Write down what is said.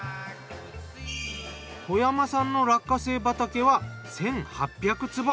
小山さんの落花生畑は１，８００坪。